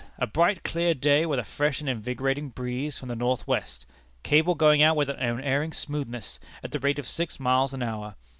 A bright clear day, with a fresh and invigorating breeze from the north west. Cable going out with unerring smoothness, at the rate of six miles an hour.